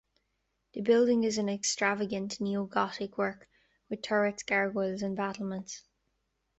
The building is an extravagant Neo-Gothic work with turrets, gargoyles, and battlements.